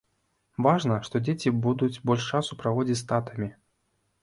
Важна, што дзеці будуць больш часу праводзіць з татамі.